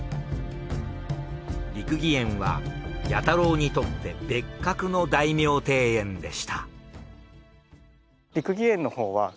六義園は彌太郎にとって別格の大名庭園でした。